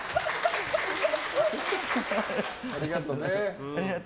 ありがとね。